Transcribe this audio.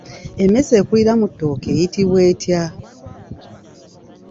Emmese ekulira mu ttooke eyitibwa etya?